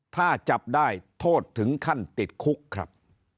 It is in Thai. ถ้าจับได้โทษถึงขั้นติดคุกครับ